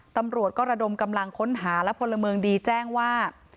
ตำรวจก็ระดมกำลังค้นหาและพลเมืองดีแจ้งว่า